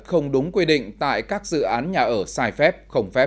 không đúng quy định tại các dự án nhà ở sai phép không phép